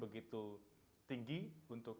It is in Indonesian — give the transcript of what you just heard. begitu tinggi untuk